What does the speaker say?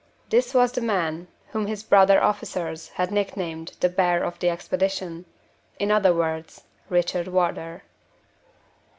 This was the man whom his brother officers had nicknamed the Bear of the Expedition. In other words Richard Wardour.